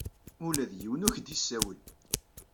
Ula d yiwen ur ak-d-yessawel!